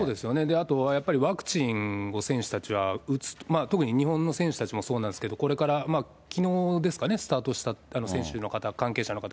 あとはワクチンを選手たちは打つ、特に日本の選手たちもそうなんですけど、これから、きのうですかね、スタートした、選手の方、関係者の方。